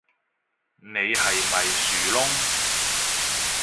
你係咪樹窿